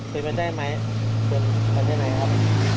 เป็นไปได้ไหมเป็นไปให้ไหนครับ